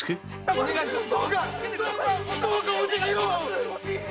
お願いいたします！